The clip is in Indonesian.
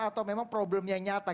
atau memang problemnya nyata